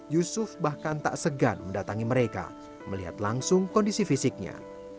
yusuf bahkan tak segan mendatangi mereka melihat langsung kondisi fisiknya